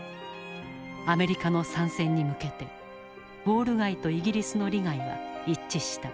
アメリカの参戦に向けてウォール街とイギリスの利害が一致した。